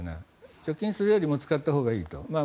貯金するよりも使ったほうがいいと。